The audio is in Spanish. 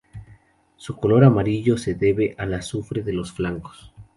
Su color amarillo se debe al azufre de sus flancos.